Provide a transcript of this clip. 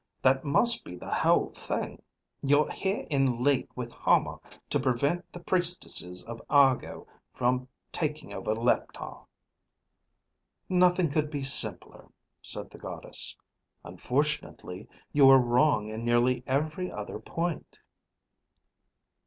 That must be the whole thing. You're here in league with Hama to prevent the priestesses of Argo from taking over Leptar." "Nothing could be simpler," said the Goddess. "Unfortunately you are wrong in nearly every other point."